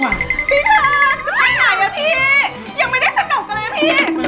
มันย่วยยากย่วยเยอะจริงจริงเลยโว้ย